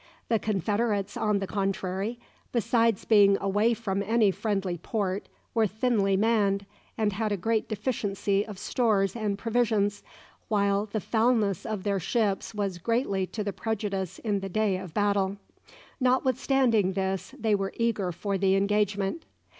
The confederates, on the contrary, besides being away from any friendly port, were thinly manned, and had a great deficiency of stores and provisions, while the foulness of their ships was greatly to their prejudice in the day of battle. Notwithstanding this they were eager for the engagement.